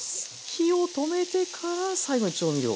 火を止めてから最後に調味料。